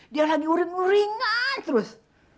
dia lagi uring uringan terus